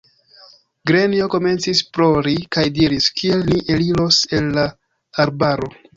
Grenjo komencis plori kaj diris: Kiel ni eliros el la arbaro!